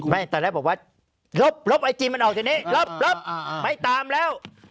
ตอนแรกบอกว่าลบไอจีมันออกจากนี้ลบไม่ตามแล้ว